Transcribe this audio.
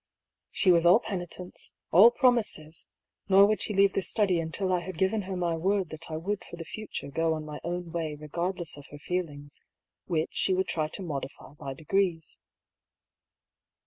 She was all penitence, all promises ; nor would she leave the study until I had giren her my word that I would for the future go on my own way regardless of her feelings, which she would try to modify by de grees.